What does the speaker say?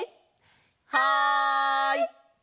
はい！